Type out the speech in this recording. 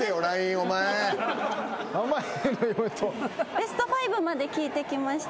ベスト５まで聞いてきました。